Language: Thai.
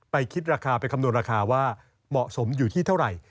คิดราคาไปคำนวณราคาว่าเหมาะสมอยู่ที่เท่าไหร่